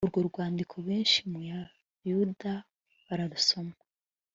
urwo rwandiko benshi mu bayuda bararusoma